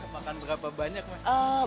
makan berapa banyak mas